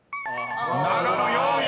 ［「長野」４位］